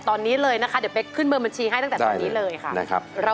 ขอบคุณค่ะ